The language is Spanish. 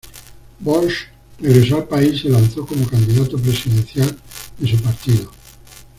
Bosch regresó al país y se lanzó como candidato presidencial de su partido.